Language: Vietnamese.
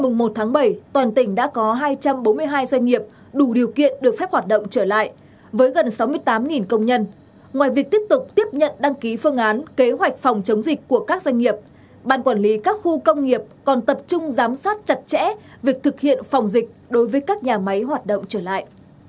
với gần sáu mươi tám công nhân ngoài việc tiếp tục tiếp nhận đăng ký phương án kế hoạch phòng chống dịch của các doanh nghiệp ban quản lý các khu công nghiệp còn tập trung giám sát chặt chẽ việc thực hiện phòng dịch đối với các nhà máy hoạt động trở lại